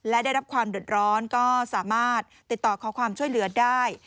และได้รับความเดือดร้อนก็สามารถติดต่อขอความช่วยเหลือได้